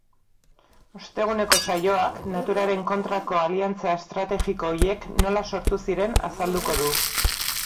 Osteguneko saioak naturaren kontrako aliantza estrategiko horiek nola sortu ziren azalduko du.